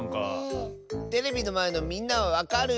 テレビのまえのみんなはわかる？